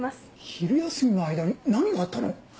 昼休みの間に何があったの？